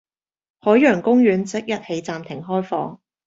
海洋公園即日起暫停開放